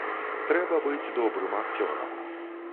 Трэба быць добрым акцёрам.